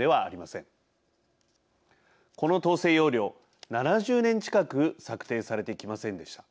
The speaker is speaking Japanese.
この統制要領７０年近く策定されてきませんでした。